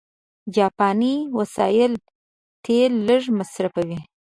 جاپاني وسایل تېل لږ مصرفوي.